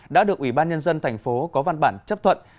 đã được ủy ban nhân dân thành phố có văn bản chấp thuận